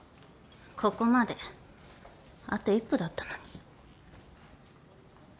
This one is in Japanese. ここまであと一歩だったのに。